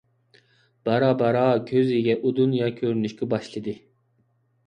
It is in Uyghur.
بارا - بارا كۆزىگە ئۇ دۇنيا كۆرۈنۈشكە باشلىدى.